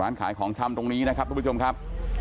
ขายของชำตรงนี้นะครับทุกผู้ชมครับ